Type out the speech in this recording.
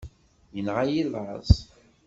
Inɣa-yi laẓ.